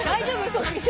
その店。